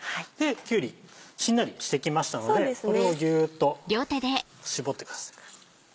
きゅうりしんなりしてきましたのでこれをギュっと絞ってください。